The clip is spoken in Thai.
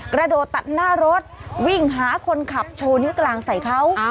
กระโดดตัดหน้ารถวิ่งหาคนขับโชว์นิ้วกลางใส่เขา